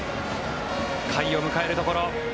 甲斐を迎えるところ。